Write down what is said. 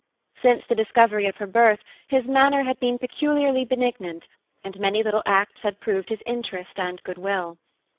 Since the discovery of her birth, his manner had been peculiarly benignant, and many little acts had proved his interest and goodwill.